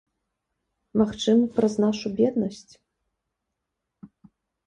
Магчыма, праз нашу беднасць.